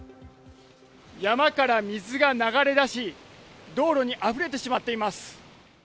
山から水が流れ出し、道路にあふれてしまっています。